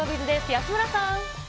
安村さん。